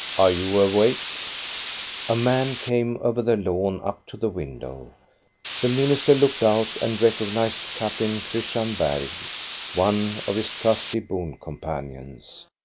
"Are you awake?" A man came over the lawn up to the window. The minister looked out and recognized Captain Christian Bergh, one of his trusty boon companions.